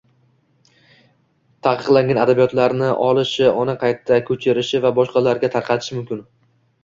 taqiqlangan adabiyotlarni olishi, uni qayta ko‘chirishi va boshqalarga tarqatishi mumkin.